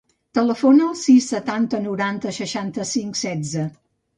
Telefona al sis, setanta, noranta, seixanta-cinc, setze.